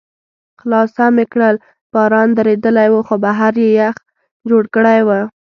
خلاصه مې کړل، باران درېدلی و، خو بهر یې یخ جوړ کړی و.